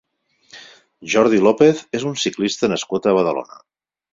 Jordi López és un ciclista nascut a Badalona.